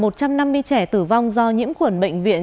một trăm năm mươi trẻ tử vong do nhiễm khuẩn bệnh viện